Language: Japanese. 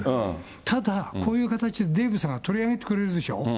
ただ、こういう形でデーブさんが取り上げてくれるでしょう。